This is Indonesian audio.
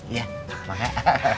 iya makasih pak